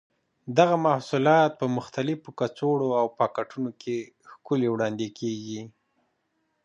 دغه محصولات په مختلفو کڅوړو او پاکټونو کې ښکلي وړاندې کېږي.